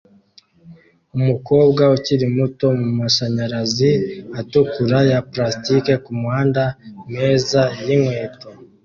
Umukobwa ukiri muto mumashanyarazi atukura ya plastike kumaduka meza yinkweto